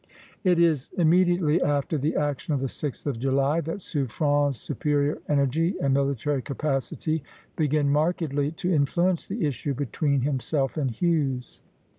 It is immediately after the action of the 6th of July that Suffren's superior energy and military capacity begin markedly to influence the issue between himself and Hughes.